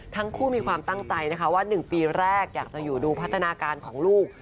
ทั้งคู่มีความตั้งใจนะคะว่า๑ปีแรกอยากจะอยู่ดูพัฒนาการของลูก